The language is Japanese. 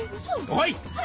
はい！